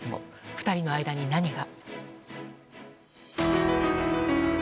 ２人の間に、何が。